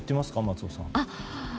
松尾さんは。